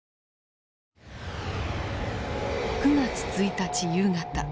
９月１日夕方。